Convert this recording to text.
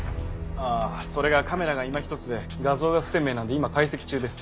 あっそれがカメラがいま一つで画像が不鮮明なんで今解析中です。